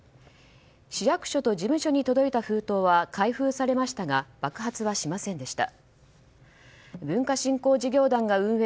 市役所と事務所に届いた封筒は開封されましたが爆発はしませんでした。